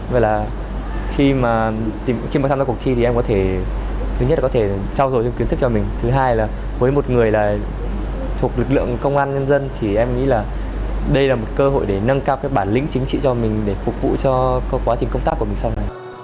vậy là khi mà tham gia cuộc thi thì em có thể thứ nhất là có thể trao dồi thêm kiến thức cho mình thứ hai là với một người là thuộc lực lượng công an nhân dân thì em nghĩ là đây là một cơ hội để nâng cao cái bản lĩnh chính trị cho mình để phục vụ cho quá trình công tác của mình sau này